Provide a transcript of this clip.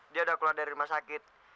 dia udah keluar dari rumah sakit